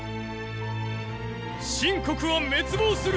秦国は滅亡する！！！